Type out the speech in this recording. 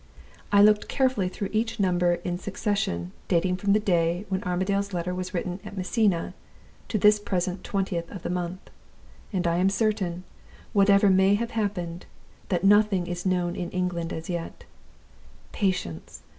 I looked carefully through each number in succession, dating from the day when Armadale's letter was written at Messina to this present 20th of the month, and I am certain, whatever may have happened, that nothing is known in England as yet. Patience!